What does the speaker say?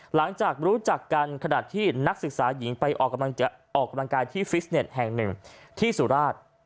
หลังจากรู้จักกันขณะที่นักศึกษาหญิงไปออกกำลังกายที่ฟิสเน็ตแห่งหนึ่งที่สุราช